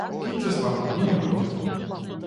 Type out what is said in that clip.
Кіньце сварку, неяк будзе!